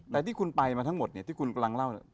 แต่ที่คุณไปมาทั้งหมดเนี่ยที่คุณกำลังเล่า